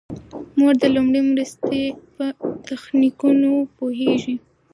مور د لومړنۍ مرستې په تخنیکونو پوهیږي.